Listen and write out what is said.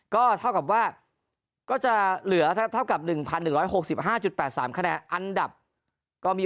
ก็เท่ากับว่าก็จะเหลือเท่ากับ๑๑๖๕๘๓คะแนนอันดับก็มี